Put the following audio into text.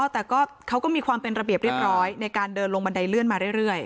แต่เขาก็มีความเป็นระเบียบเรียบร้อยในการเดินลงบันไดเลื่อนมาเรื่อย